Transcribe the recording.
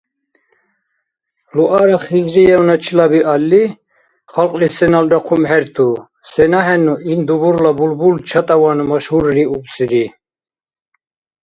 Луара Хизриевначила биалли, халкьли сеналра хъумхӀерту, сенахӀенну ил дубурла булбул чатӀаван машгьурриубсири.